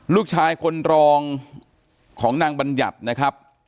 ลูกชายคนรองของนางบัญญัตินะครับ